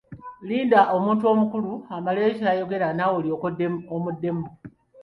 Linda omuntu omukulu amaleyo ky’ayogera naawe olyoke omuddemu.